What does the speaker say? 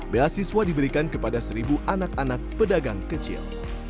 beasiswa diberikan kepada seribu anak anak pedagang kecil